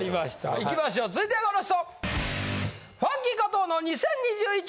いきましょう続いてはこの人！